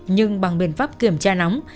nhưng bằng biện pháp kiểm tra nóng